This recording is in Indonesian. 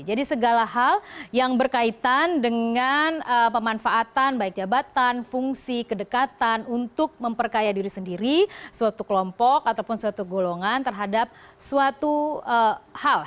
jadi segala hal yang berkaitan dengan pemanfaatan baik jabatan fungsi kedekatan untuk memperkaya diri sendiri suatu kelompok ataupun suatu golongan terhadap suatu hal